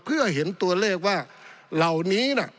เพื่อเห็นตัวเลขว่าเหล่านี้น่ะ